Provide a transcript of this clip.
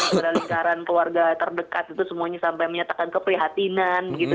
pada lingkaran keluarga terdekat itu semuanya sampai menyatakan keprihatinan gitu